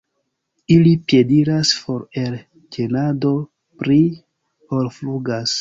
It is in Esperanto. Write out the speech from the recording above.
Ili piediras for el ĝenado pli ol flugas.